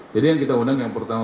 jadi yang kita undang yang pertama